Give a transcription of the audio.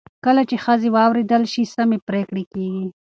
کله چې ښځې واورېدل شي، سمې پرېکړې کېږي.